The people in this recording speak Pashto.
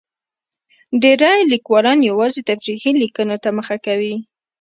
ډېری لیکوالان یوازې تفریحي لیکنو ته مخه کوي.